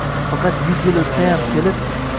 Faqat yuz yil o’tsayam, kelib